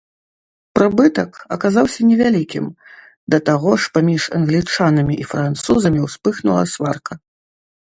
Прыбытак аказаўся не вялікім, да таго ж паміж англічанамі і французамі ўспыхнула сварка.